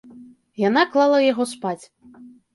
Яна клала яго спаць.